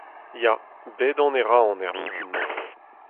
Ya, bet on e Roazhon er mintin-mañ.